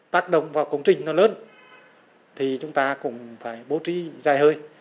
tác động vào công trình nó lớn thì chúng ta cũng phải bố trí dài hơi